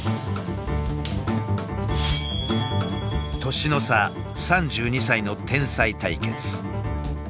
年の差３２歳の天才対決。